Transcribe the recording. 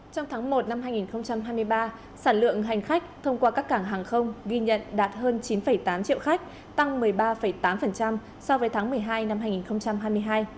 trong tháng một năm hai nghìn hai mươi ba sản lượng hành khách thông qua các cảng hàng không ghi nhận đạt hơn chín tám triệu khách tăng một mươi ba tám so với tháng một mươi hai năm hai nghìn hai mươi hai